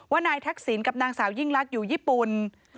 นายทักษิณกับนางสาวยิ่งลักษณ์อยู่ญี่ปุ่น